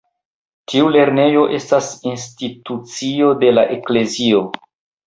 Tiu lernejo estas institucio de la eklezio.